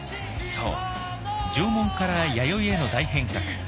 そう縄文から弥生への大変革